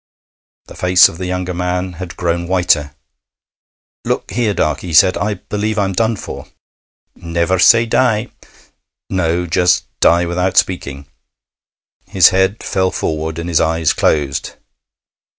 The face of the younger man had grown whiter. 'Look here, Darkey,' he said, 'I believe I'm done for.' 'Never say die.' 'No, just die without speaking.' His head fell forward and his eyes closed.